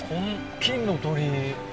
金の鳥居。